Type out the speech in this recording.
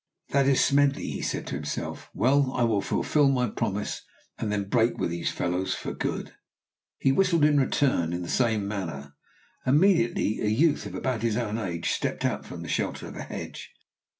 "That is Smedley," he said to himself. "Well, I will fulfil my promise, and then break with these fellows for good." He whistled in return, in the same manner, and immediately a youth of about his own age stepped out from the shelter of a hedge.